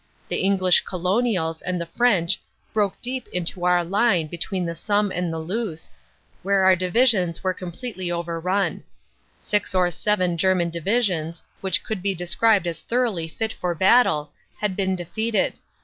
The English Colonials and the French broke deep into our line between the Somme and the Luce, where our Divisions were completely overrun. Six or seven German Divisions, which could be described as thoroughly fit for battle, had been defeated.